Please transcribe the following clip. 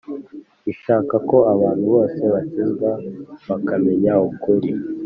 ishaka ko abantu bose bakizwa bakamenya ukuri.